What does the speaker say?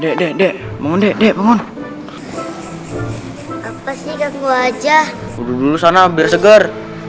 dek dek dek mau dek dek mohon apa sih kaku wajah dulu sana biar segar